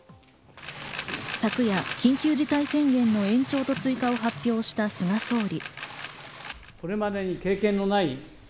昨夜、緊急事態宣言の延長と追加を発表した菅総理。